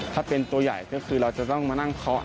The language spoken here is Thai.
ถ้าเป็นตัวใหญ่ก็คือเราจะต้องมานั่งเคาะ